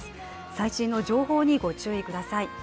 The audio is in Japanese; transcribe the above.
最新の情報にご注意ください。